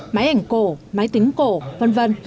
máy ảnh cổ máy tính cổ v v